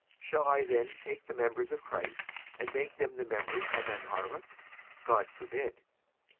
shall I then take the members of Christ, and make them the members of an harlot? God forbid.